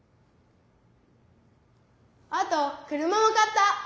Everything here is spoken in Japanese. あと車も買った。